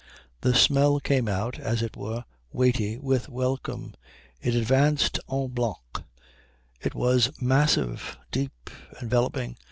The smell came out, as it were, weighty with welcome. It advanced en bloc. It was massive, deep, enveloping.